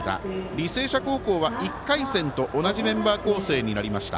履正社高校は１回戦と同じメンバー構成となりました。